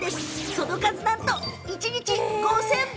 その数なんと一日５０００本！